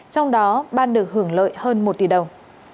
trong đó ban được hưởng lợi hơn một tỷ đồng